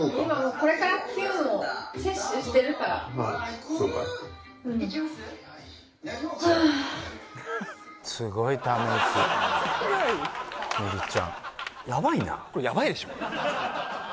これやばいでしょ